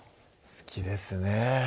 好きですね